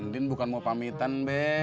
din bukan mau pamitan deh